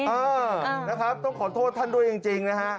เออนะครับต้องขอโทษท่านด้วยจริงนะฮะ